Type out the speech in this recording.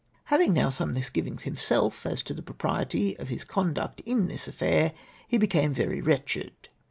" Having novj some misgivings himself as to the jjvo 'priety of his conduct in this affair, he became very ivretched.